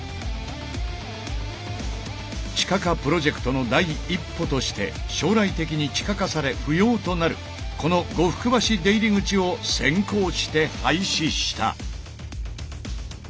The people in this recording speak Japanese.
地下化プロジェクトの第一歩として将来的に地下化され不要となるこの呉服橋出入口を先行して廃止した。